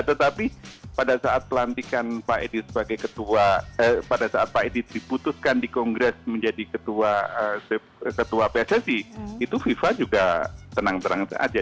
tetapi pada saat pelantikan pak edi sebagai ketua pada saat pak edi diputuskan di kongres menjadi ketua pssi itu viva juga tenang tenang saja